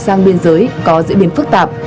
sang biên giới có diễn biến phức tạp